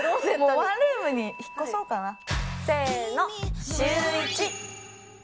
ワンルームに引っ越そうかな、せーの。